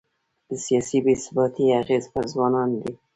د سیاسي بې ثباتۍ اغېز پر ځوانانو دی.